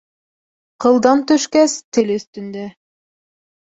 Ҡылдан төшкәс, тел өҫтөндә.